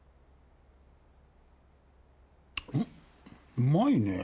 うまいねぇ。